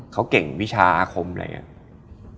เขาเก่งวิชาอาคมอะไรอย่างนี้